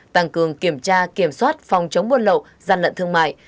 tăng cường kiểm tra kiểm soát phòng chống buôn lậu gian lận thương mại